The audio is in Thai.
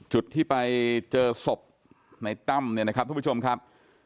จุดที่ไปเจอศพในตั้มเนี่ยนะครับทุกผู้ชมครับ